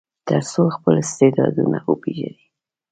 تر څو خپل استعدادونه وپیژني.